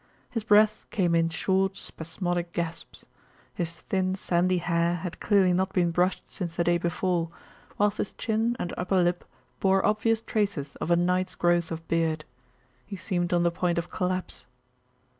His breath came in short, spasmodic gasps. His thin sandy hair had clearly not been brushed since the day before, whilst his chin and upper lip bore obvious traces of a night's growth of beard. He seemed on the point of collapse.